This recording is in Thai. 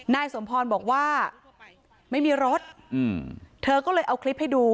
นายสมพรบอกว่าไม่มีรถเธอก็เลยเอาคลิปให้ดู